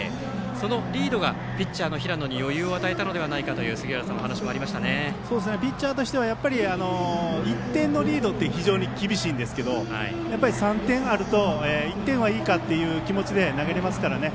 そのリードがピッチャーの平野に余裕を与えたのではないかというピッチャーとしては１点のリードって非常に厳しいんですけどやっぱりと１点はいいかという気持ちで投げれますからね。